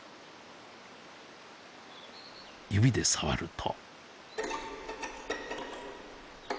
指で触ると。